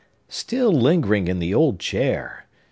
Still lingering in the old chair!